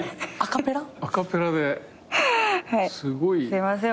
すいません